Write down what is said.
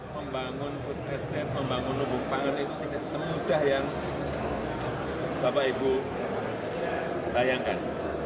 membangun food estate membangun lumbung pangan itu tidak semudah yang bapak ibu bayangkan